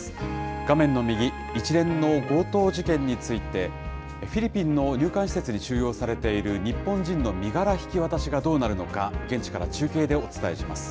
画面の右、一連の強盗事件について、フィリピンの入管施設に収容されている日本人の身柄引き渡しがどうなるのか、現地から中継でお伝えします。